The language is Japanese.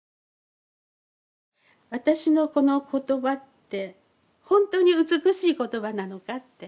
私のこの言葉ってほんとに美しい言葉なのかって。